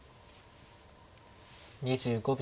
２５秒。